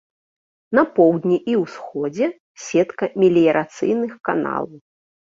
На поўдні і ўсходзе сетка меліярацыйных каналаў.